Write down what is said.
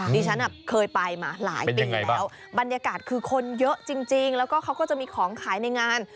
ฉันเคยไปมาหลายปีแล้วบรรยากาศคือคนเยอะจริงแล้วก็เขาก็จะมีของขายในงาน